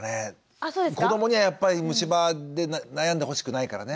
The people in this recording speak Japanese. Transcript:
あそうですか？子どもにはやっぱり虫歯で悩んでほしくないからね。